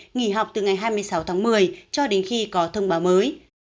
nghỉ học từ ngày hai mươi sáu tháng một mươi cho đến khi có thông báo mới